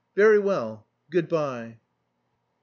Very well, good bye."